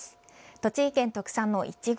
栃木県特産のいちご。